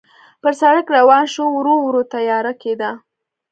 پر سړک روان شوو، ورو ورو تیاره کېده.